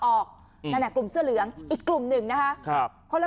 นั่นน่ะกลุ่มเสื้อเหลืองอีกกลุ่มหนึ่งนะคะคนละ